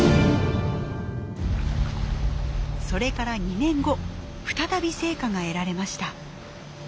それから２年後再び成果が得られました。